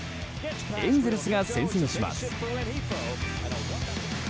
エンゼルスが先制します。